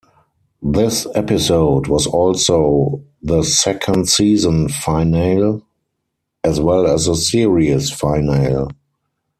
This episode was also the second season finale as well as the series finale.